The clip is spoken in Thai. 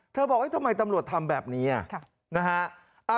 บอกทำไมตำรวจทำแบบนี้นะฮะ